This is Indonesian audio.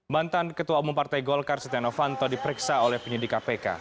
mantan ketua umum partai golkar setia novanto diperiksa oleh penyidik kpk